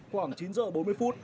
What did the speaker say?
khoảng chín giờ bốn mươi phút